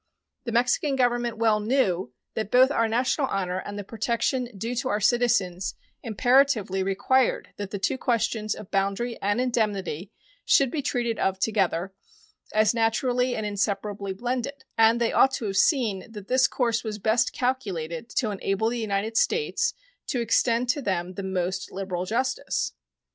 The Mexican Government well knew that both our national honor and the protection due to our citizens imperatively required that the two questions of boundary and indemnity should be treated of together, as naturally and inseparably blended, and they ought to have seen that this course was best calculated to enable the United States to extend to them the most liberal justice.